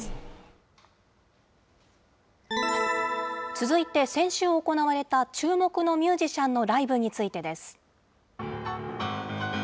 続いて、先週行われた注目のミュージシャンのライブについてです。